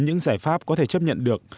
những giải pháp có thể chấp nhận được